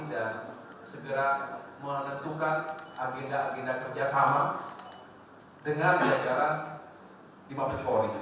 dan segera menentukan agenda agenda kerjasama dengan pelajaran di mabes polri